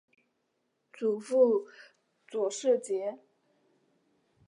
祖父左世杰。